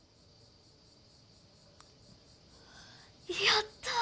やった！